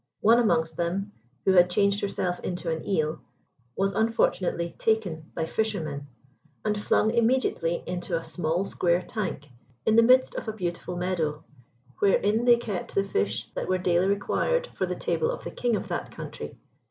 One amongst them, who had changed herself into an Eel, was unfortunately taken by fishermen, and flung immediately into a small square tank in the midst of a beautiful meadow, wherein they kept the fish that were daily required for the table of the King of that country.